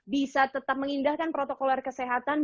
bisa tetap mengindahkan protokol kesehatan